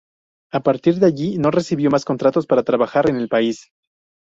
A partir de allí no recibió más contratos para trabajar en el país.